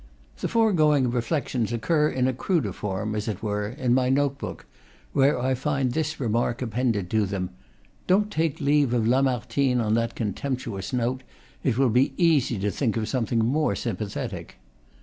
The foregoing reflections occur, in a cruder form, as it were, in my note book, where I find this remark appended to them: "Don't take leave of Lamartine on that contemptuous note; it will be easy to think of something more sympathetic!"